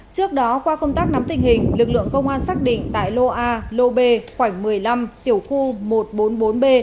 trước đó qua công tác nắm tình hình lực lượng công an xác định tại lô a lô b khoảnh một mươi năm tiểu khu một trăm bốn mươi bốn b